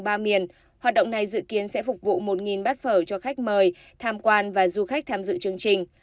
ba miền hoạt động này dự kiến sẽ phục vụ một bát phở cho khách mời tham quan và du khách tham dự chương trình